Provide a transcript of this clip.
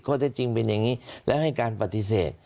ข้อเท็จจริงเป็นอย่างนี้และให้การปฏิเสธ